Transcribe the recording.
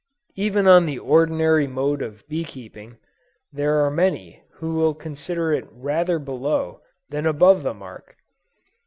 Even on the ordinary mode of bee keeping, there are many who will consider it rather below than above the mark.